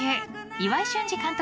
岩井俊二監督